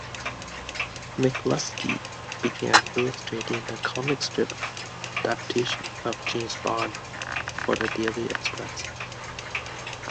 McLusky began illustrating the comic strip adaptation of "James Bond" for the "Daily Express".